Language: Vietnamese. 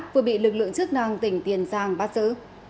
vừa bị lực lượng chức năng tỉnh tiền giang bắt giữ